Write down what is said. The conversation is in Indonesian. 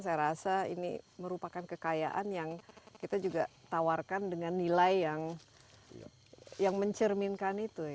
saya rasa ini merupakan kekayaan yang kita juga tawarkan dengan nilai yang mencerminkan itu